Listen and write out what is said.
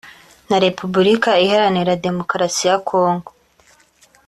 na Repubulika iharanira Demokarasi ya Congo